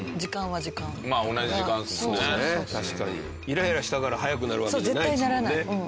イライラしたから早くなるわけじゃないですもんね。